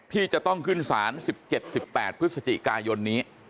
ที่จะต้องขึ้นศาล๑๗๑๘พฤศจิกายนนี้